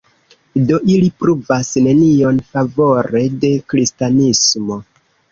Do ili pruvas nenion favore de kristanismo.